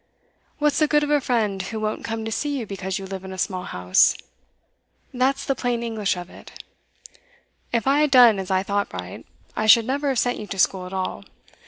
What's the good of a friend who won't come to see you because you live in a small house? That's the plain English of it. If I had done as I thought right, I should never have sent you to school at all.